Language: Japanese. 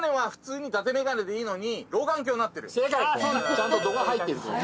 ちゃんと度が入ってるという。